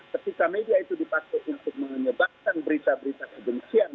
ketika media itu dipaksa untuk menyebabkan berita berita kebencian